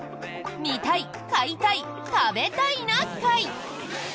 「見たい買いたい食べたいな会」！